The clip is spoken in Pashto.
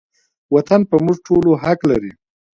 وطن په موږ ټولو حق لري